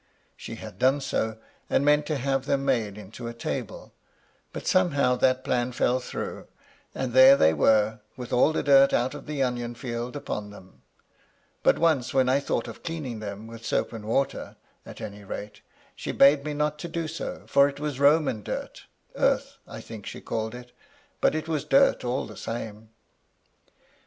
She had done so, and meant to have had them made into a table ; but somehow that plan fell through, and there they were with all the dirt out of the onion field upon them ; but once when I thought of cleaning them with soap and water, at any rate, she bade me not to do so, for it was Roman dirt — earth, I think, she called it — but it was dirt all the same.